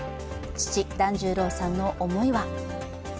父・團十郎さんの思いは。